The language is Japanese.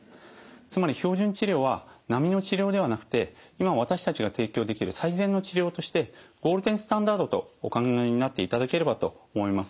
つまり標準治療は並みの治療ではなくて今私たちが提供できる最善の治療としてゴールデンスタンダードとお考えになっていただければと思います。